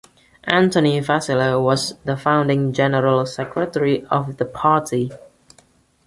Anthony Vassallo was the founding general secretary of the party.